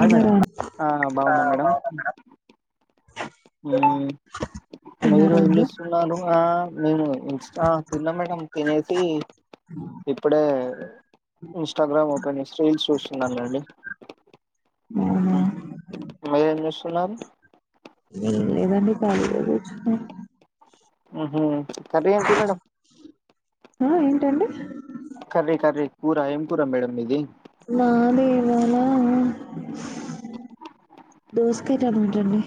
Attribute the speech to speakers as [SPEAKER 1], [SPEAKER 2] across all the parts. [SPEAKER 1] Hi madam
[SPEAKER 2] తిన్నారా
[SPEAKER 1] బాగున్నా madam. ఊ.. మీరు
[SPEAKER 2] తిన్నారా అండి
[SPEAKER 1] ఏంస్తున్నారు ఆ మేము ఇన్స్టా తిన్నాం మేడం తినేసి ఇప్పుడే ఇన్స్టాగ్రామ్ ఓపెన్ రీల్స్ చూస్తున్నానుండి.
[SPEAKER 2] అవునా
[SPEAKER 1] [inaudible] తెల్లార్లు
[SPEAKER 2] లేదండి కాళీగా కూర్చున్న.
[SPEAKER 1] ఊ హు కర్రీ ఎంటి మేడం
[SPEAKER 2] ఆ ఏంటండి
[SPEAKER 1] కర్రీ కర్రీ. కూర ఎం కూర మేడం మీది.
[SPEAKER 2] మాది ఇవాళ దోసకాయ టమాట అండి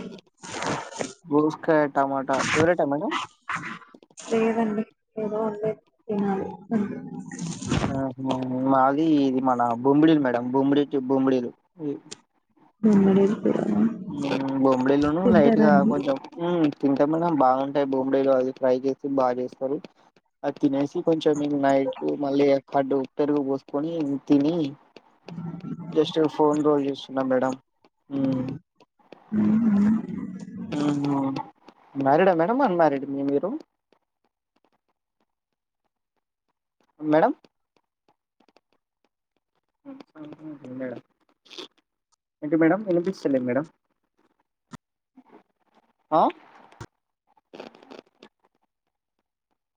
[SPEAKER 1] దోసకాయ టమాటా ఫేవరేటా మేడం.
[SPEAKER 2] లేదండి ఏదో వండీర్రు తినాలి అ.
[SPEAKER 1] ఆ మాది ఇది మన బొమ్మిడిలు మేడం బొమ్మిడి టు బొమ్మిడిలు. [inaudible]
[SPEAKER 2] బొమ్మిడీల్
[SPEAKER 1] బొమ్బడిీలును లైట్
[SPEAKER 2] తింటారా
[SPEAKER 1] గా
[SPEAKER 2] అండి
[SPEAKER 1] కొంచెం తింటమల బాగుంటాయి బొమ్మిడిలు అది ఫ్రై చేసి. బాగా చేస్తారు అ తినేకి కొంచెం [unintelligible] మళ్ళీ కడ్డు ఉ పెరుగు పోసుకొని తిని. జస్ట్ ఫోన్ రోల్ చేస్తున్నా మేడం.
[SPEAKER 2] [unintelligible]
[SPEAKER 1] ఉహు మ్యారీడ్ ఆ మేడం అన్మారీడ్ ఆ మీరు. మేడం మేడం ఏంటి మేడం వినిపిించలేదు మేడం.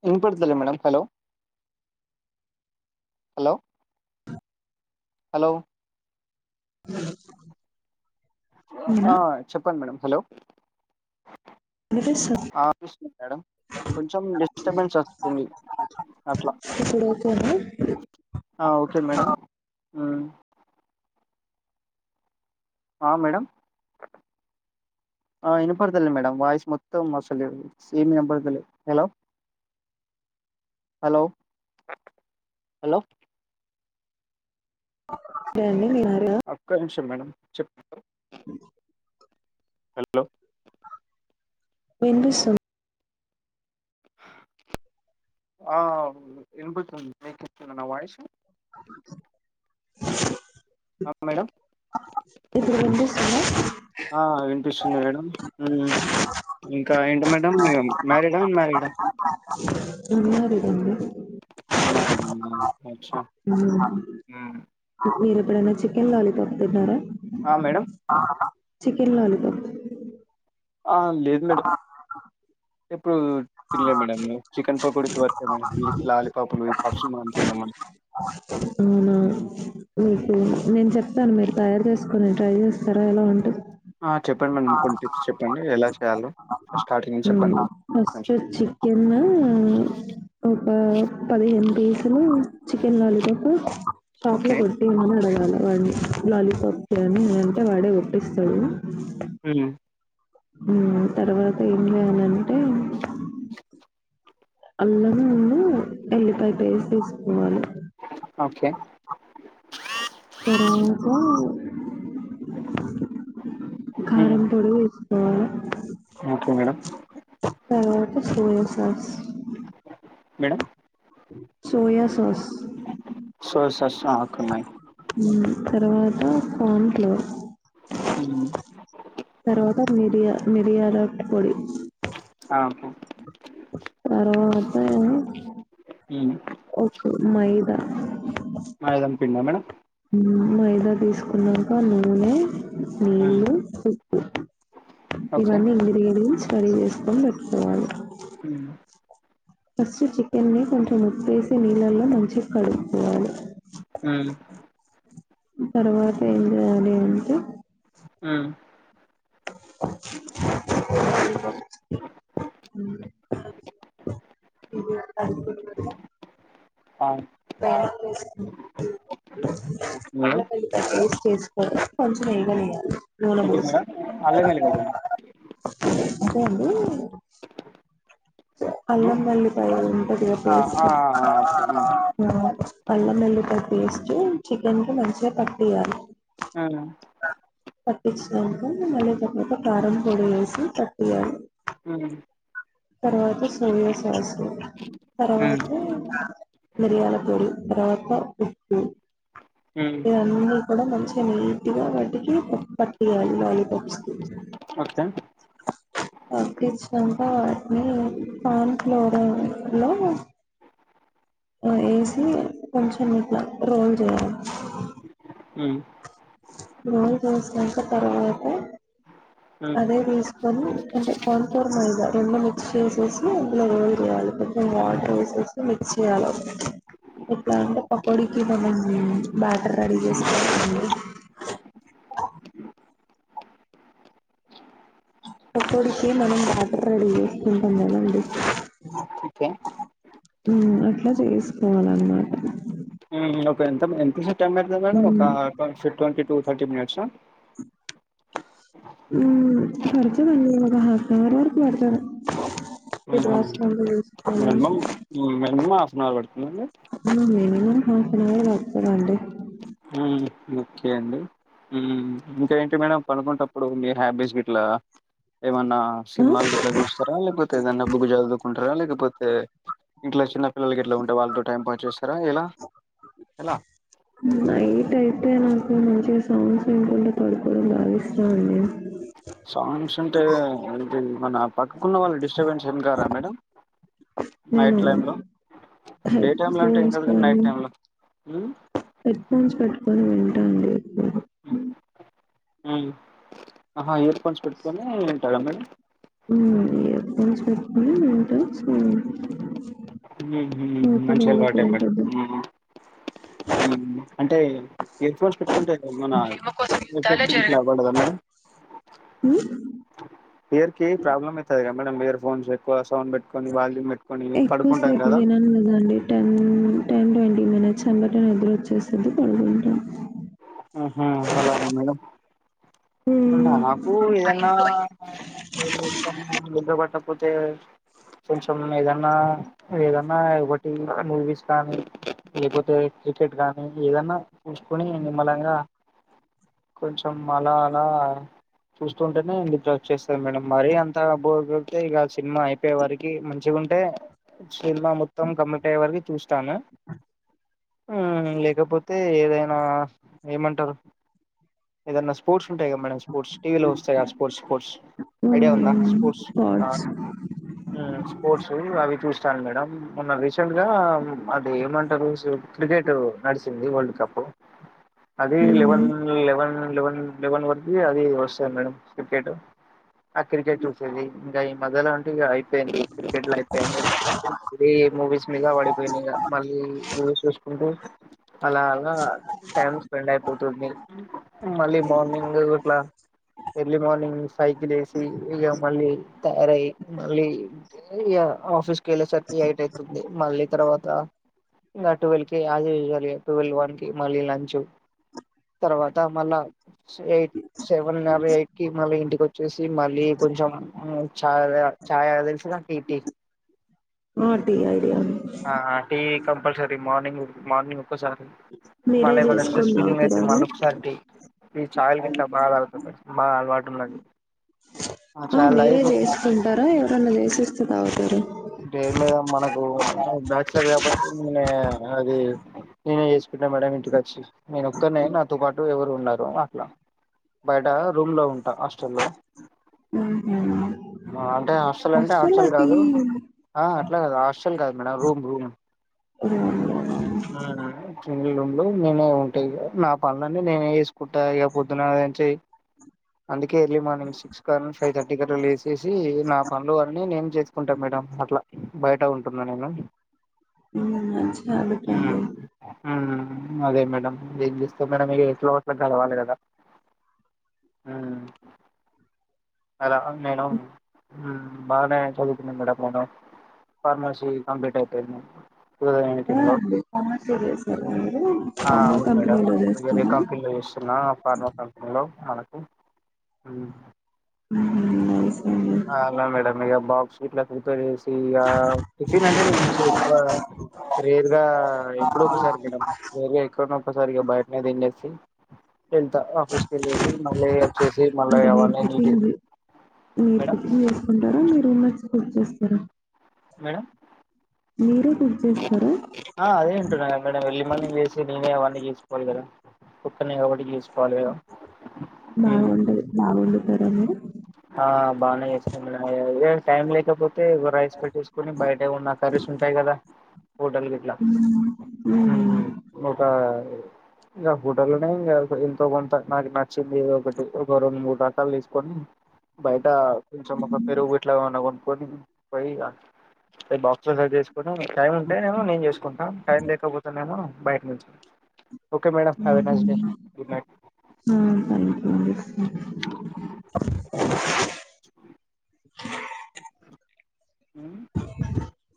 [SPEAKER 1] ఇం పడుతలే మేడంమ్ హలో. హలో. హలో.
[SPEAKER 2] [unintelligible]
[SPEAKER 1] ఆ
[SPEAKER 2] నేనా
[SPEAKER 1] చెప్పండి. హలో.
[SPEAKER 2] వినిపిస్తుంది
[SPEAKER 1] మేడం కొంచెం డిస్టర్బెన్స్ వస్తుంది అట్లా
[SPEAKER 2] ఇప్పుడు ఓకేనా
[SPEAKER 1] ఆ ఓకే మేడం. మ్. ఆ మేడం వినపడ్తలే మేడం వాయిస్ మొత్తం అసలు ఏమిఇనపర్థలేదు హలో. హలో హలో ఒక్క
[SPEAKER 2] [unintelligible]
[SPEAKER 1] నిమిషం మేడం చెప్ప
[SPEAKER 2] ఉ
[SPEAKER 1] హలో
[SPEAKER 2] వినిపిస్తుంది
[SPEAKER 1] ఆ వినిపిస్తుంది మీకు వినిపిస్తుందా నా వాయిస్ ఆ మేడం
[SPEAKER 2] ఇప్పుడు వినిపిస్తుందా
[SPEAKER 1] ఆ వినిపిస్తుంది మేడం ఉ ఇంకా ఏంటి మేడం ఇగ మ్యారీడా అన్మారీడా
[SPEAKER 2] అన్ మారీడ్ అండి
[SPEAKER 1] అన్మారీడ్ ఆ
[SPEAKER 2] మీరెప్పుడైనా [unintelligible] వెళ్ళాలి [unintelligible]
[SPEAKER 1] ఆ మేడం
[SPEAKER 2] చికెన్ లాలీపాప్
[SPEAKER 1] ఆ లేదు మేడం ఎప్పుడు తినలే మేడం చికెన్ పకోడి వరకే మేడం లాలీపాపులు ఎగ్ పఫ్స్ మనము తినలేము
[SPEAKER 2] అవునా
[SPEAKER 1] ఉ
[SPEAKER 2] పోనీ ట్రై చేస్తారా ఎలా ఉంటదో
[SPEAKER 1] ఆ చెప్పండి మేడం కొన్ని టిప్స్ చెప్పండి ఎలా చే యాలో
[SPEAKER 2] ఉ అ ఫస్ట్ చికెన్ ఒక పదిహేను పీసులు చికెన్ లాలీ పఫ్ షాప్ లొ
[SPEAKER 1] ఓకే
[SPEAKER 2] కొట్టియమని అడగా లా వాన్ని లాలీపాప్కి అనీ అంటే వాడే కొట్టిస్తడు
[SPEAKER 1] ఉమ్
[SPEAKER 2] ఉమ్ తర్వాత ఏం చేయాలంటే అల్లం ముందు ఎల్లిపాయ పేస్ట్ ఏసుకోవాలే
[SPEAKER 1] ఓకే మ్మ్
[SPEAKER 2] కారం పోడి వేసుకోవాలే
[SPEAKER 1] ఓకే మేడం
[SPEAKER 2] తర్వాత సో పస్
[SPEAKER 1] madam
[SPEAKER 2] soya sauce
[SPEAKER 1] soy sauce ఆ ఒక్క ఉన్నాయి
[SPEAKER 2] ఉ తర్వా దాంట్లో
[SPEAKER 1] మ్మ్
[SPEAKER 2] తర్వాత మిరియా మిరియాల పొడి
[SPEAKER 1] ఆకు
[SPEAKER 2] తర్వాత
[SPEAKER 1] ఉమ్
[SPEAKER 2] ఒక మై త
[SPEAKER 1] మైదం పిండా మేడం
[SPEAKER 2] మైదా తీసుకున్నాంక నూనె
[SPEAKER 1] ఆ,
[SPEAKER 2] నీళ్ళు ఉప్పు
[SPEAKER 1] ఓకే
[SPEAKER 2] ఇవన్నీ ఇంగ్రియట్స్ రెడీ చేసుకొని పెట్టుకోవాలి
[SPEAKER 1] ఉమ్
[SPEAKER 2] ఫస్ట్ చికెన్ ని కొంచెం ఉప్పుేసి నీళ్ళల్లో మంచిగా కడుక్కొవాలి
[SPEAKER 1] ఉమ్
[SPEAKER 2] తర్వాత ఏం చేయాలి అంటే
[SPEAKER 1] ఉమ్
[SPEAKER 2] ఇది కడుగు-
[SPEAKER 1] అవు
[SPEAKER 2] [inaudible] అల్లం
[SPEAKER 1] మేడం
[SPEAKER 2] ఎల్లిపాయ పేస్ చేసుకో కొంచెం వేగనియ్యాలి
[SPEAKER 1] ఏంటిది మేడం అల్లం ఎల్లిగడ్డన
[SPEAKER 2] అంటే అండి
[SPEAKER 1] ఉమ్
[SPEAKER 2] అల్లం మల్లిపాయ ఉంటదిగా
[SPEAKER 1] ఆ ఆ
[SPEAKER 2] పేస్ట్
[SPEAKER 1] ఆ ఓకే
[SPEAKER 2] అల్లం మల్లిపాయ పేస్ట్ చికెన్ కి మంచిగా పట్టియాలి
[SPEAKER 1] ఆ
[SPEAKER 2] పటిచ్చినాంక మలై ఒక కారం పొడి వేసి కట్టియాలి
[SPEAKER 1] ఉమ్
[SPEAKER 2] తర్వాత సోర్య సవాస్
[SPEAKER 1] ఉమ్
[SPEAKER 2] తర్వాత మిరియాల పొడి రాత ఉప్పు
[SPEAKER 1] ఉమ్
[SPEAKER 2] ఇ అన్నీ కూడా మంచి నీటిగా వాటికి పప్ పట్టియ్యాలి లాలీపప్స్ కి
[SPEAKER 1] ఓకే
[SPEAKER 2] పట్టించ్చినంక న్ కన్ ఫ్లోరర్ లో ఏసి కొంచెం ఇట్లా రోల్ య
[SPEAKER 1] హు
[SPEAKER 2] రోజురోజుకంటే తర్వాత
[SPEAKER 1] ఉమ్
[SPEAKER 2] అదే తీసుకొని అంటే కాన్ఫర్ మైదా రెండు మిక్స్ చేసేసి ఇందులో రోల్ చెయాలి కొంచం
[SPEAKER 1] ఉమ్,
[SPEAKER 2] వాటర్ వేసేసి మిక్స్ చేయాలి ఎట్లా అంటే పకోడిీకి మనం బ్యాటర్ రెడీ చేసుకోని పకోడీకి మనం బాటర్ రెడీ చేసుకుంటం కదండీ
[SPEAKER 1] కే
[SPEAKER 2] హు అట్లా చేసుకోవాలన్నమాట
[SPEAKER 1] పెంత ఎంత శా [unintelligible] ఎట్లుందండి ఒక ట్వంటీ టు థర్టీ మినిట్స్ హ
[SPEAKER 2] హు పడుతదండి ఒక ఆఫ్ఫాన్నావర్ వరకు పడుతరు
[SPEAKER 1] మ్ హు మినిమమ్ మ్ మినిమమ్ అఫ్ మార్ వడ్ మండి
[SPEAKER 2] హు ఆఫ్ఫాన్ అవర్ పాడుతదండి
[SPEAKER 1] హు ఓకే అండి హు ఇంకా ఏంటి మేడం పడుకునేటప్పుడు మీ హ్యాబీస్ గిట్లా ఏమన్నా సిన్మాలు గిట్లా చూస్తారా లేకపోతే ఏదైనా బుక్ చదువుకుంటారా లేకపోతే ఇంట్లో చిన్న పిల్లలు గిట్లా ఉంటే వాళ్ళతో టైం పాస్ చేస్తారా ఎలా ఎలా
[SPEAKER 2] నై టైతే నాకు మంచిగా సాంగ్స్ వినుకుంట పడుకోవడం బాగా ఇష్టం అండి
[SPEAKER 1] సాంగ్స్ అంటే ఇది మన పక్కకున్న వాళ్ళు డిస్టర్బెన్స్ ఏం కారా మేడం
[SPEAKER 2] నేను
[SPEAKER 1] నైట్ టైమ్ లో డే
[SPEAKER 2] హెడ్
[SPEAKER 1] టైమ్ లో అంటే ఏం
[SPEAKER 2] ఫోన్స్
[SPEAKER 1] కాదు
[SPEAKER 2] కానీ
[SPEAKER 1] నైట్ టైమ్ లో ఉమ్
[SPEAKER 2] హెడ్ ఫోన్స్ పెట్టుకొని విం టండి
[SPEAKER 1] మ్ ఆహా న్ ఫోన్స్ పెట్టుకొని మేడమేడం
[SPEAKER 2] హు హేర్ఫోన్స్ పెట్టుకొని వింటా సో
[SPEAKER 1] మ్ హు హు
[SPEAKER 2] మిగతా
[SPEAKER 1] మంచి
[SPEAKER 2] వాళ్ళకి
[SPEAKER 1] అలువాటే
[SPEAKER 2] ఏం
[SPEAKER 1] మేడం
[SPEAKER 2] పెద్ద
[SPEAKER 1] హు హు అంటే ఇయర్ఫోన్స్ పెట్టుకుంటే మన ఎఫెక్టివ్ గిట్లా పడదా మేడం
[SPEAKER 2] ఉమ్,
[SPEAKER 1] హియర్ కి ప్రాబ్లమైతది కదా మేడం ఇయర్ ఫోన్స్ ఎక్వగా
[SPEAKER 2] ఎక్కువ సేపు
[SPEAKER 1] కదా
[SPEAKER 2] విన లేదండి టెన్ టెన్ ట్వంటీ మినిట్స్ అందర్ నిదరు వచ్చేసది పడుగుకుంటాం
[SPEAKER 1] ఉ హు అలా మేడం నాకు ఏదన్న నిద్ర బట్టకపోతే కొంచెం ఏదన్నా ఏదన్నా ఒకటి మూవీస్ కానీ లేకపోతే క్రికెట్ కాగానీ ఏదన్నా చూసుకొని నిమ్మలంగా కొంచం అలా ఆ చూస్తుంటేనే నిద్ర వచ్చేస్తది మేడం మరి అంత బోర్ కొడితే సినిమా అయిపోయేవారికి మంచిగాంటే సినిమా మొత్తం కంప్లీట్ అయ్యేవరకు చూస్తాను లేకపోతే ఏదనా ఏమంటారు ఏదైనా స్పోర్ట్స్ వస్తూ ఉంటాయి కదా మేడం స్పోర్ట్స్ టీవీలో వస్తాయి స్పోర్స్ స్పోర్ట్స్ ఐడియా ఉందా స్పోర్ట్స్
[SPEAKER 2] థాట్స్
[SPEAKER 1] స్పోర్స్ అవి చాలు మేడం మొన్న రీసెంట్ గా అది ఏమంటారు క్రికెట్ నడిచంది వరల్డ్ కప్ అది లెవెన్ లెవెన్ లెవెన్ ఏమన్నా ఉంటే వస్తుంది మేడం క్రికెట్ ఆ క్రికెట్ చూసేది ఇంకా ఈ మధ్యలో అంటే అయిపోయింది క్రికెట్ లో అయిపోయింది మూవీస్ మీద పడిపోయినాయి మళ్ళీ మూవీ చూసుకుంటూ అలా అలా టైం స్పెండ్ అయిపోతుంది మళ్ళీ మార్నింగ్ నింగ్ ఇట్లా ఎర్లీ మార్నింగ్ ఫైవ్ కి లేసి ఇక మళ్ళీ తయారయి మళ్ళీ ఇక ఆఫీస్ వెళ్ళేసరికి ఎయిట్ అవుతుంది మళ్ళీ తర్వాత టువెల్ కి చేయాలి ఇ టువెల్ వన్ కి మళ్ళీ లంచ్ తర్వాత మళ్ళా ఎయిట్ సెవెన్ ఎయిట్ కి మళ్ళీ ఇంటికి వచ్చేసి మళ్ళీ కొంచెం చాయ్ చాయ్ తెలుసుగా టీ
[SPEAKER 2] ఆ టీ ఐ
[SPEAKER 1] ఆహా టీ కంపల్సరీ మార్నింగ్ మార్నింగ్ ఒక్కసారి
[SPEAKER 2] మీరే
[SPEAKER 1] మళ్లీ ఏమైనా ట్రెస్
[SPEAKER 2] చేసుకొని
[SPEAKER 1] ఫిలింగ్ అయితే
[SPEAKER 2] తాగుతారా
[SPEAKER 1] మల్ల
[SPEAKER 2] అండి
[SPEAKER 1] ఒకసారి టీ ఈ చాయల గిట్లా బాగాతాగుతాం బాగా అలవాటు ఉన్నది
[SPEAKER 2] ఆ
[SPEAKER 1] చాయ్
[SPEAKER 2] మీరే
[SPEAKER 1] తాగి
[SPEAKER 2] చేసుకుంటారా ఎవరన్నా చేసిస్తే తాగుతారా చేస్తారండి
[SPEAKER 1] ఏం లేదు మనకు బ్యాచలర్ కాబట్టి అది నేనే చేసుకుంటా మేడ ఇంటిక వచ్చి నేను ఒక్కరినే నాతో పాటు ఎవరు ఉన్నారు అట్లా బయట రూమ్ లో ఉంటా హాస్టల్లో అంటే హాస్టల్ అంటే
[SPEAKER 2] వస్తుంద
[SPEAKER 1] హాస్టల్
[SPEAKER 2] టి
[SPEAKER 1] కాదు ఆ అట్లా కాదు హాస్టల్ కాదు మేడం రూమ్ రూమ్
[SPEAKER 2] అవునా
[SPEAKER 1] ఆ హు రూమ్ నేనే ఉంటా ఇగ నా పనులన్నీ నేనే చెసుకుంటా ఇక పొద్దున నుంచి అందుకే ఎర్లీ మార్నింగ్ సిక్స్ కా ఫైవ్ థర్టీ క లేసేసి నా పనులు అన్నీ నేను చేసుకుంటాం మేడం అట్లా బయట ఉంటున్నా నేను
[SPEAKER 2] మంచిగా వండుకోండి
[SPEAKER 1] ఉ అదే మేడం ఎం చేస్తాం మేడం ఎట్లో అట్లా గలవాలి కదా ఉ అలా నేను బాగానే ఊ చదువుతున్నాను మేడం నేను ఫార్మసీ కంప్లీట్ అయిపోయింది
[SPEAKER 2] ఆ ఫార్మసీ చేశారా మీరు
[SPEAKER 1] ఆ
[SPEAKER 2] ఫార్మసీ
[SPEAKER 1] అవును
[SPEAKER 2] కంపెనీ
[SPEAKER 1] మేడం
[SPEAKER 2] లో పని
[SPEAKER 1] ఇప్పుడు వేరే
[SPEAKER 2] చేస్తున్నారా
[SPEAKER 1] అవును హ్మ్మ్ ఊ
[SPEAKER 2] హ్మ్ చేశా
[SPEAKER 1] ఆ అలా మేడం. ఇగ బాక్స్ గిట్ల ప్రిపేర్ చేస్ ఇగా టిఫిన్ అంటే, నేనొచ్చి ఎక్కువ రేర్గా ఎప్పుడో ఒకసారి మేడం. రేర్గా ఎక్కడ్నో ఒక్కసారిగా బయటనే తినేసి వెళ్తా. ఆఫీస్కెల్లేసి మళ్లి ఈడ చేస్
[SPEAKER 2] అంటె! మీర్ టిఫిన్ ది, మీర్ టి
[SPEAKER 1] మేడం
[SPEAKER 2] ఫిన్ చేసుకుంటార మీరు? మర్చిపోయి చేస్తారా?
[SPEAKER 1] మేడం?
[SPEAKER 2] మీరే కుక్ చేస్తారా
[SPEAKER 1] ఆ అదే అంటున్నా గదా మేడం ఎర్లీ మార్నింగ్ లేసి నేనే అవన్నీ చె సుకోవాలి కదా! ఓక్కనే కాబట్టి చేసుకోవాలి కదా! ఉమ్,
[SPEAKER 2] బాగుండదు, బాగుండదు. మరెందు
[SPEAKER 1] ఆ బానే చేస్తాం మేడం. ఎవరైన టైమ్ లేకపోతే రైస్ పెట్టేసుకొని బయట ఏమన్న కర్రీస్ ఉంటాయి కదా! హోటల్ గిట్ల,
[SPEAKER 2] మ్ మ్
[SPEAKER 1] ఒక ఇంగ హోటల్ లోనే ఇంగ ఎంతో కొంత నాకు నచ్చింది, ఏదొ ఒకటి, ఒక రెండు మూడు రకాలు తీసుకొని, బయట కొంచెం ఒక పెరుగు, ఇట్ల ఏమన్న కొన్ కొన్ పొయ్యి ఇగ, అంటె బాక్స్ లో సర్దేస్ కొనోను టైం ఉంటేనేమో, నేన్ చేసుకుంటాం టైం లేకపోతనేమో, బయట నుంచి ఓకే మేడం
[SPEAKER 2] మ్మ్
[SPEAKER 1] హ్యావ్ ఎ నైస్ డే
[SPEAKER 2] హు.
[SPEAKER 1] గుడ్
[SPEAKER 2] ఆ పడుకోండి.
[SPEAKER 1] మ్